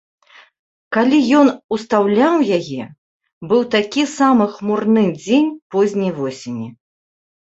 Калі ён устаўляў яе, быў такі самы хмурны дзень позняй восені.